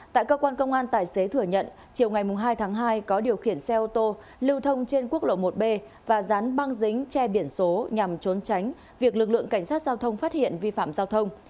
tại cơ quan công an tài xế thừa nhận chiều ngày hai tháng hai có điều khiển xe ô tô lưu thông trên quốc lộ một b và dán băng dính che biển số ô tô